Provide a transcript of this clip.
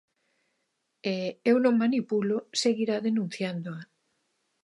E Eu non manipulo seguirá denunciándoa.